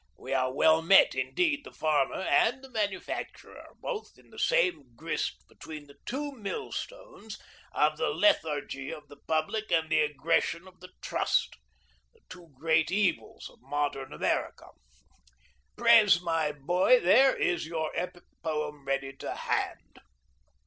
We are well met, indeed, the farmer and the manufacturer, both in the same grist between the two millstones of the lethargy of the Public and the aggression of the Trust, the two great evils of modern America. Pres, my boy, there is your epic poem ready to hand."